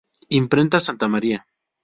Imprenta Santa María.